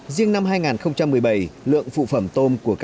riêng năm hai nghìn một mươi bảy lượng phụ phẩm tôm của công nghệ